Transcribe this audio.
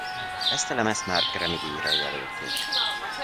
Ezt a lemezt már Grammy-díjra jelölték.